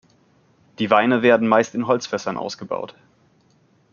Die Weine werden meist in Holzfässern ausgebaut.